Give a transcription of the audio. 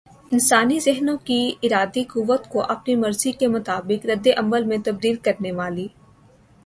انسانی ذہنوں کی ارادی قوت کو اپنی مرضی کے مطابق ردعمل میں تبدیل کرنے والی